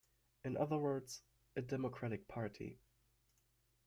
In other words, a democratic party.